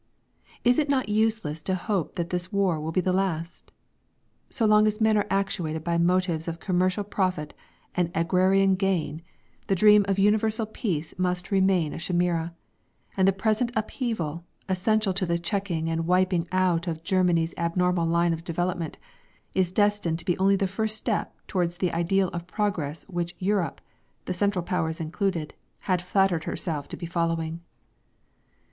Is it not useless to hope that this war will be the last? So long as men are actuated by motives of commercial profit and agrarian gain, the dream of Universal Peace must remain a chimæra; and the present upheaval, essential to the checking and wiping out of Germany's abnormal line of development, is destined to be only the first step towards the Ideal of Progress which Europe (the Central Powers included) had flattered herself to be following.